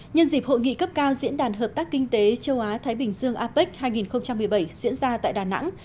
nhân dịp hội nghị cấp cao diễn đàn hợp tác kinh tế châu á thái bình dương apec hai nghìn một mươi bảy diễn ra tại đà nẵng